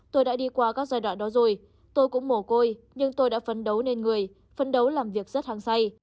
tôi đã đi qua các giai đoạn đó rồi tôi cũng mồ côi nhưng tôi đã phấn đấu lên người phân đấu làm việc rất hăng say